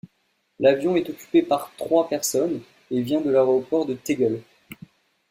L'avion est occupé par trois personnes et vient de l'aéroport de Tegel.